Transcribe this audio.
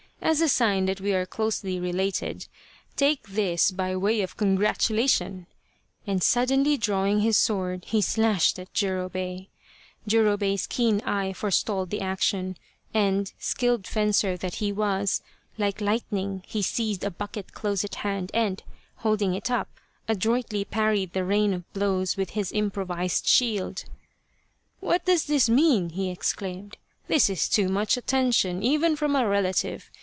As a sign that we are closely related, take this by way of congratulation," and suddenly drawing his sword, he slashed at Jurobei. Jurobei's keen eye forestalled the action, and, skilled fencer that he was, like lightning he seized a bucket close at hand and, holding it up, adroitly parried the rain of blows with this improvised shield. " What does this mean ?" he exclaimed. " This is too much attention even from a relative.